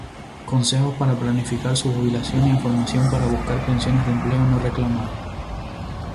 Consejos para planificar su jubilación e información para buscar pensiones de empleo no reclamadas.